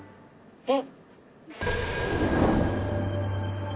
えっ。